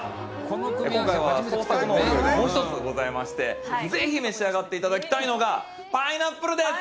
今回は創作のお料理がもう１つございまして、ぜひ召し上がっていただきたいのがパイナップルです！